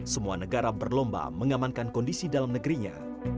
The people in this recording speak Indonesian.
semua negara berlomba mengamankan kondisi dalam negerinya